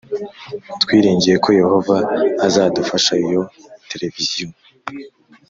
Twiringiye ko Yehova azadufasha iyo televiziyo